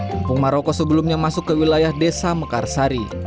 kampung maroko sebelumnya masuk ke wilayah desa mekarsari